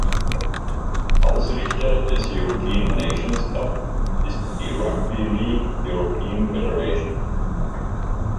Ausrichter des European Nations Cup ist die "Rugby League European Federation".